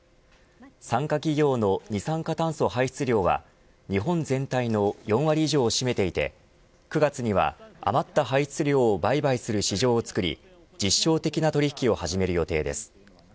参加企業の二酸化炭素排出量は日本全体の４割以上を占めていて９月には余った排出量を売買する市場を作り実証的な取引を始める予定です。